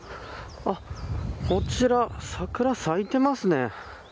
こちら、桜咲いてますね。